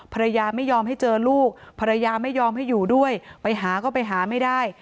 ภรรยาไม่ยอมให้เจอลูกภรรยาไม่ยอมให้อยู่ด้วยไปหาก็ไปหาไม่ได้